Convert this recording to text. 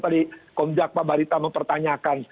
tadi komjak pak barita mempertanyakan